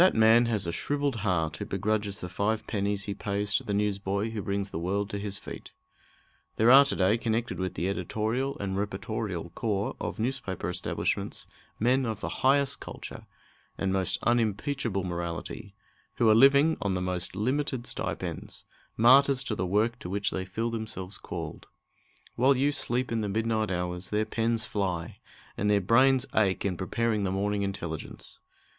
That man has a shrivelled heart who begrudges the five pennies he pays to the newsboy who brings the world to his feet. There are to day connected with the editorial and reportorial corps of newspaper establishments men of the highest culture and most unimpeachable morality, who are living on the most limited stipends, martyrs to the work to which they feel themselves called. While you sleep in the midnight hours, their pens fly, and their brains ache in preparing the morning intelligence.